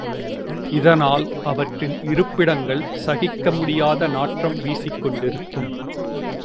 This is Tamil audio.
இதனால் அவற்றின் இருப்பிடங்கள் சசிக்க முடியாத நாற்றம் வீசிக் கொண்டிருக்கும்.